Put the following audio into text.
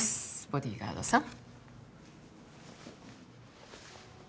ボディーガードさん。